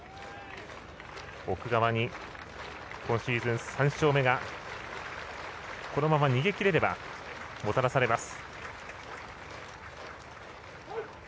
奥川に今シーズン３勝目がこのまま逃げ切れればもたらされます。